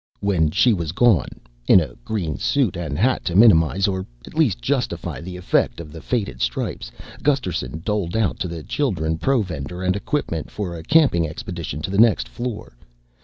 When she was gone in a green suit and hat to minimize or at least justify the effect of the faded stripes Gusterson doled out to the children provender and equipment for a camping expedition to the next floor.